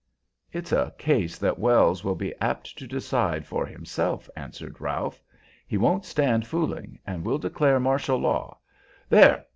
"It's a case that Wells will be apt to decide for himself," answered Ralph. "He won't stand fooling, and will declare martial law. There!